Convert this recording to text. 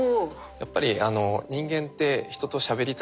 やっぱり人間って人としゃべりたいしつらい